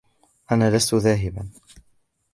أنا لستُ ذاهباً.